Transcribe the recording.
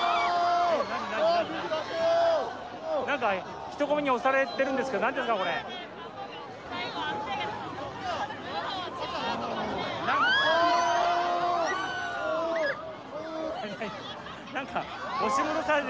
なんか、人混みに押されてるんですけれども、なんですか、これ。